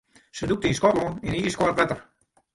Se dûkte yn Skotlân yn iiskâld wetter.